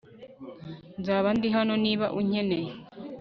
Nzaba ndi hano niba unkeneye